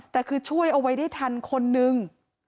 แต่คือช่วยเอาไว้ได้ทันคนนึง